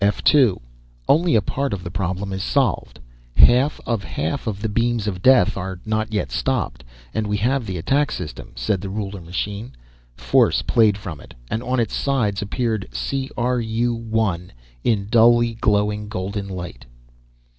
"F 2, only a part of the problem is solved. Half of half of the beams of Death are not yet stopped. And we have the attack system," said the ruler machine. Force played from it, and on its sides appeared C R U 1 in dully glowing golden light.